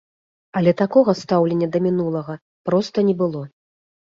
Але такога стаўлення да мінулага проста не было.